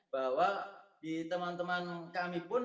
bahwa di teman teman kami pun